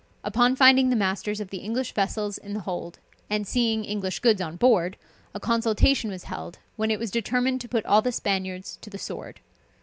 Upon finding the masters of the English vessels in the hold, and seeing English goods on board, a consultation was held, when it was determined to put all the Spaniards to the sword.